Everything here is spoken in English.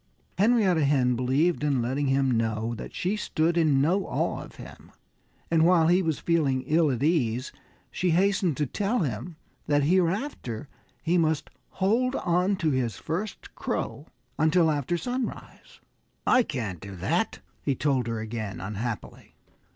Henrietta Hen believed in letting him know that she stood in no awe of him. And while he was feeling ill at ease she hastened to tell him that hereafter he must hold onto his first crow until after sunrise. "I can't do that," he told her again, unhappily.